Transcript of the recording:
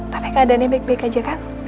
tapi keadaannya baik baik aja kak